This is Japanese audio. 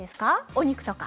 お肉とか。